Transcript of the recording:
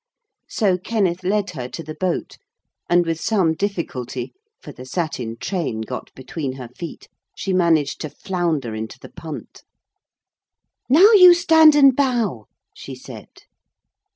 So Kenneth led her to the boat, and with some difficulty, for the satin train got between her feet, she managed to flounder into the punt. 'Now you stand and bow,' she said.